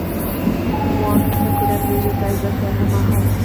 Um homem está colhendo vegetais da terra marrom.